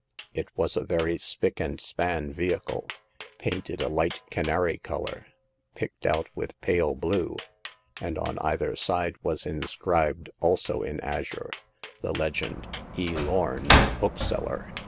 It was a very spick ?cud span vehicle, painted The Passing of Hagar. 283 a light canary color, picked out with pale blue ; and on either side was inscribed— also in azure — the legend, E. Lorn, Bookseller."